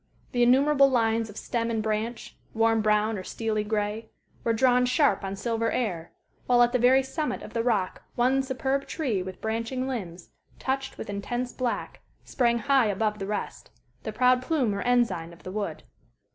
The innumerable lines of stem and branch, warm brown or steely gray, were drawn sharp on silver air, while at the very summit of the rock one superb tree with branching limbs, touched with intense black, sprang high above the rest, the proud plume or ensign of the wood.